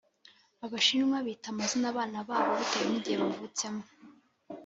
abashinwa bita amazina abana babo bitewe nigihe bavutsemo